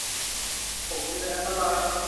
ตกอยู่ในอันตราย